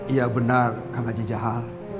iya benar kak haji jahal